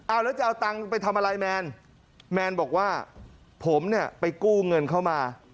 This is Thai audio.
เอาแล้วจะเอาตังค์ไปทำอะไรแมนแมนบอกว่าผมเนี่ยไปกู้เงินเข้ามา